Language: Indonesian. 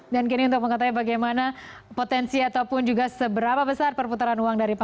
dan kini untuk mengatakan bagaimana potensi ataupun juga seberapa besar perputaran uang dari pameran